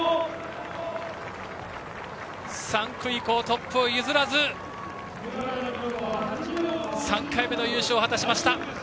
３区以降、トップを譲らず３回目の優勝を果たしました。